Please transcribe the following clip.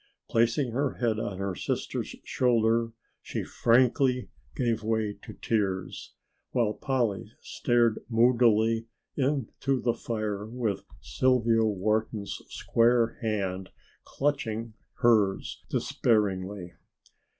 Placing her head on her sister's shoulder she frankly gave way to tears, while Polly stared moodily into the fire with Sylvia Wharton's square hand clutching hers despairingly.